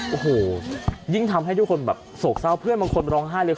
โอ้โหยิ่งทำให้ทุกคนแบบโศกเศร้าเพื่อนบางคนร้องไห้เลย